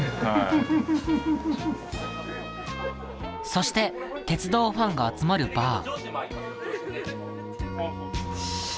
そして鉄道ファンが集まるバー。